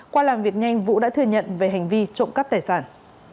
qua làm việc nhanh vũ đã thừa nhận về hành vi trộm cắp tài sản